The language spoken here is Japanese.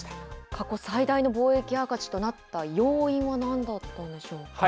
過去最大の貿易赤字となった要因はなんだったんでしょうか。